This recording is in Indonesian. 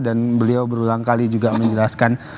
dan beliau berulang kali juga menjelaskan